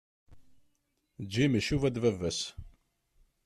Jim icuba-d baba-s.